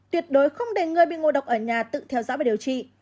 tuyệt đối không để người bị ngộ độc ở nhà tự theo dõi và điều trị